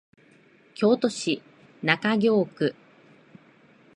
京都市中京区